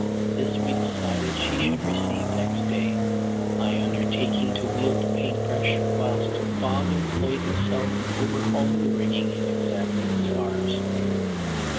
This we decided she should receive next day, I undertaking to wield the paint brush whilst Bob employed himself in overhauling the rigging and examining the spars.